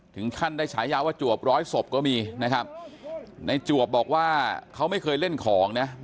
ถึงขั้นได้ฉายาว่าจวบร้อยศพก็มีนะครับในจวบบอกว่าเขาไม่เคยเล่นของนะ